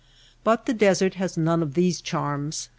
But the desert has none of these charms.